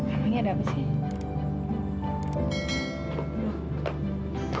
kamu ini ada apa sih